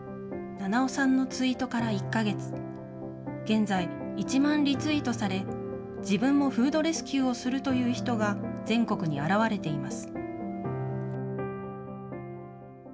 七尾さんのツイートから１か月、現在、１万リツイートされ、自分もフードレスキューをするという人が全国に現れています。